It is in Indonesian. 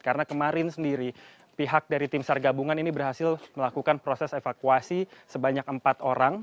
karena kemarin sendiri pihak dari tim sargabungan ini berhasil melakukan proses evakuasi sebanyak empat orang